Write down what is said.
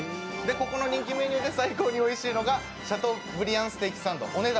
ここの人気メニューで最高においしいのがシャトーブリアンステーキサンド、お値段